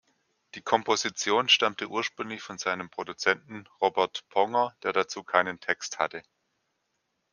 Die Komposition stammte ursprünglich von seinem Produzenten Robert Ponger, der dazu keinen Text hatte.